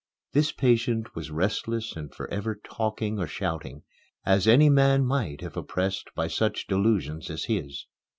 This patient was restless and forever talking or shouting, as any man might if oppressed by such delusions as his.